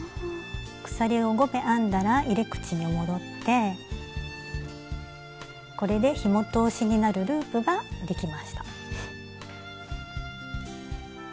鎖を５目編んだら入れ口に戻ってこれでひも通しになるループができました。